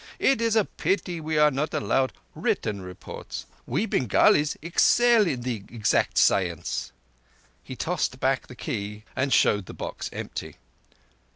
It is a pity we are not allowed written reports. We Bengalis excel in thee exact science." He tossed back the key and showed the box empty.